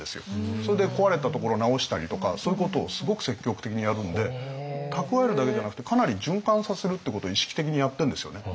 それで壊れたところを直したりとかそういうことをすごく積極的にやるんで蓄えるだけじゃなくてかなり循環させるってことを意識的にやってんですよね。